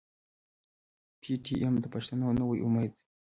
پي ټي ايم د پښتنو نوی امېد دی.